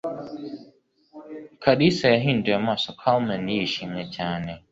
Kalisa yahinduye amaso Carmen yishimye cyane.